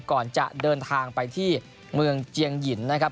ก่อนจะเดินทางไปที่เมืองเจียงหยินนะครับ